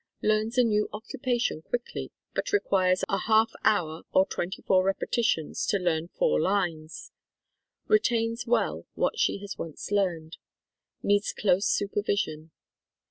Learns a new occupation quickly, but requires a half hour or twenty four repetitions to learn four lines. Retains well what she has once learned. Needs close supervision.